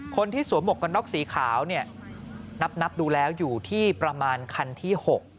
คนที่สวมหมวกกันน็อกสีขาวนับดูแลอยู่ที่ประมาณคันที่๖